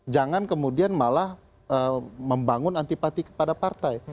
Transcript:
jangan kemudian malah membangun antipati kepada partai